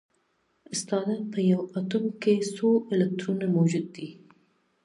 استاده په یو اتوم کې څو الکترونونه موجود وي